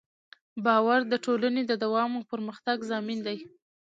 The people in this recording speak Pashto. باور د ټولنې د دوام او پرمختګ ضامن دی.